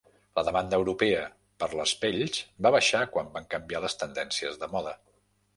La demanda europea per les pells va baixar quan van canviar les tendències de moda.